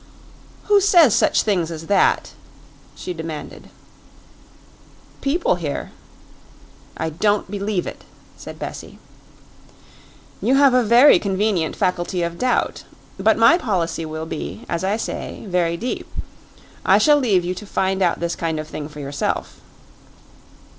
"Who says such things as that?" she demanded. "People here." "I don't believe it," said Bessie. "You have a very convenient faculty of doubt. But my policy will be, as I say, very deep. I shall leave you to find out this kind of thing for yourself."